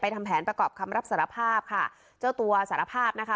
ทำแผนประกอบคำรับสารภาพค่ะเจ้าตัวสารภาพนะคะ